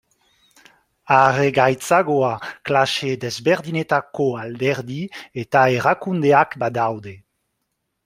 Are gaitzagoa klase desberdinetako alderdi eta erakundeak badaude.